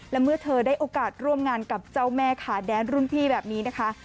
และเมื่อเธอได้โอกาสร่วมงานกับเจ้าแม่ขาแดนรุ่นพี่แบบนี้นะคะ